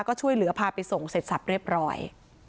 ก็ช่วยเหลือพาไปส่งเสร็จสับเรียบร้อย